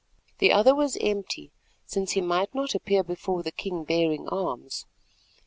The other was empty, since he might not appear before the king bearing arms.